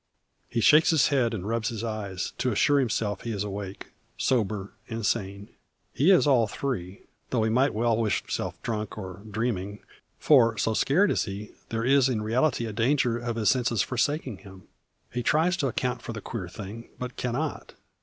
He shakes his head and rubs his eyes, to assure himself he is awake, sober, and sane. He is all three; though he might well wish himself drunk or dreaming for, so scared is he, there is in reality a danger of his senses forsaking him. He tries to account for the queer thing, but cannot.